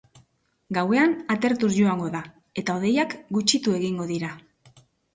Gauean atertuz joango da eta hodeiak gutxitu egingo dira.